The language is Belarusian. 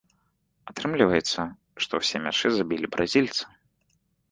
Атрымліваецца, што ўсе мячы забілі бразільцы.